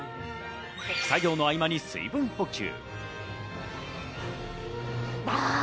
作業の合間に水分補給。